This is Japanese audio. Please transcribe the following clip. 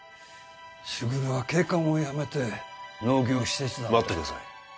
卓は警官を辞めて農業使節団待ってください